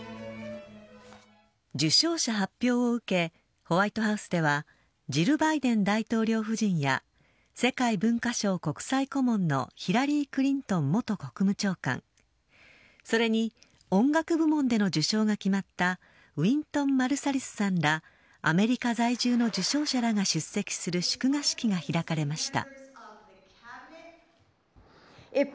受賞者発表を受けホワイトハウスではジル・バイデン大統領夫人や世界文化賞国際顧問のヒラリー・クリントン元国務長官それに音楽部門での受賞が決まったウィントン・マルサリスさんらアメリカ在住の受賞者らが出席する祝賀式が開かれました。